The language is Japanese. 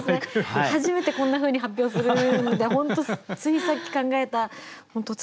初めてこんなふうに発表するんで本当ついさっき考えた本当